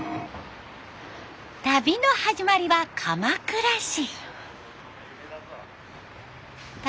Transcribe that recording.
旅の始まりは鎌倉市。